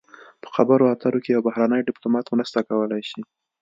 په خبرو اترو کې یو بهرنی ډیپلومات مرسته کولی شي